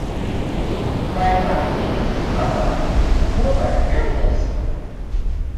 Vai Latvija ir tik bagāta, ka to var atļauties?